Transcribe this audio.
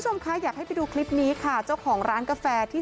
มค่ะอยากให้ดูคลิปนี้ค่ะเจ้าของร้านกาแฟที่